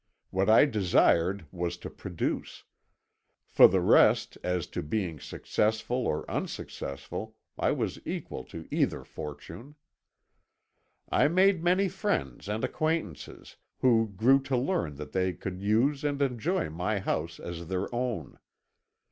What I desired was to produce; for the rest, as to being successful or unsuccessful, I was equal to either fortune. "I made many friends and acquaintances, who grew to learn that they could use and enjoy my house as their own.